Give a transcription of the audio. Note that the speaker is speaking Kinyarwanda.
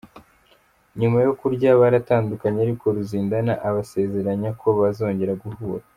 Nyuma yo kurya baratandukanye ariko Ruzindana abasezeranya ko bazongera guhura.